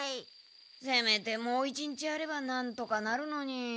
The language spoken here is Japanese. せめてもう一日あればなんとかなるのに。